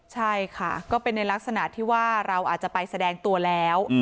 ใช่ค่ะก็เป็นในลักษณะที่ว่าเราอาจจะไปแสดงตัวแล้ว